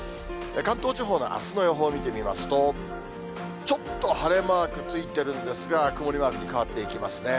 関東地方のあすの予報見てみますと、ちょっと晴れマークついてるんですが、曇りマークに変わっていきますね。